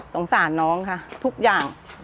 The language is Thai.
สงสารน้องค่ะทุกอย่าง